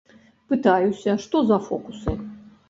Пытаюся, што за фокусы.